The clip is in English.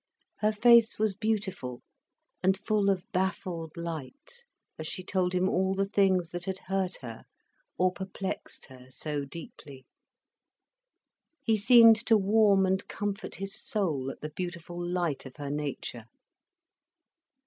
Her face was beautiful and full of baffled light as she told him all the things that had hurt her or perplexed her so deeply. He seemed to warm and comfort his soul at the beautiful light of her nature.